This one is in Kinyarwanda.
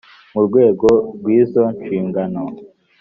mu rwego rw izo nshingano